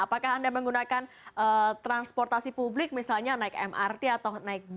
apakah anda menggunakan transportasi publik misalnya naik mrt atau naik